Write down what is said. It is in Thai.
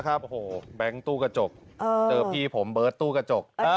โอ้โหแบงค์ตู้กระจกเจอพี่ผมเบิร์ตตู้กระจก